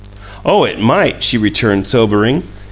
"Oh, it might," she returned, sobering.